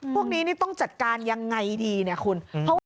พวกนี้นี่ต้องจัดการยังไงดีเนี่ยคุณ